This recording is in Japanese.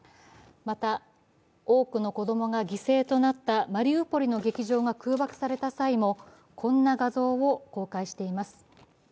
また、多くの子供が犠牲となったマリウポリの劇場が空爆された際もこんな画像を公開しています。